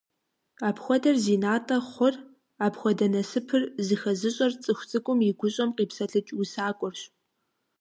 Апхуэдэр зи натӀэ хъур, апхуэдэ насыпыр зыхэзыщӀэр цӀыху цӀыкӀум и гущӀэм къипсэлъыкӀ усакӀуэрщ.